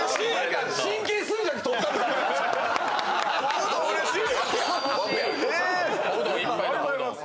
うれしい。